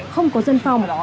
không có dân phòng